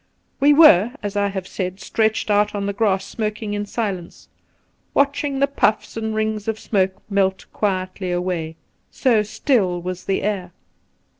, We were, as I have said, stretched out on the grass smoking in silence, watching the puffs and rings of smoke melt quietly away, so still was the air.